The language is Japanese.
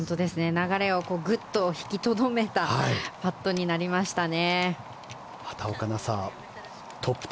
流れをぐっと引きとどめたパットになりましたね。